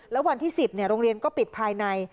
แล้ววันที่๑๐โรงเรียนก็ปิดภายใน